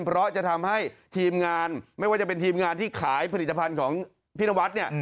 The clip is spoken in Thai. เพราะจะทำให้ทีมงานไม่ว่าจะเป็นทีมงานที่ขายผลิตภัณฑ์ของพี่นวัดเนี่ย